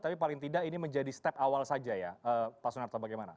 tapi paling tidak ini menjadi step awal saja ya pak sunarto bagaimana